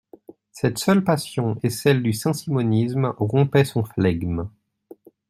Cette seule passion et celle du saint-simonisme rompaient son flegme.